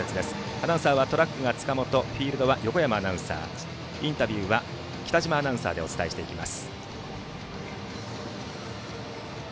アナウンサーはトラックが塚本フィールドは横山アナウンサーインタビューは北嶋アナウンサーでお伝えしていきます。